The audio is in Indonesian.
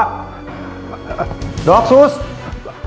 kebenaran yang sesungguhnya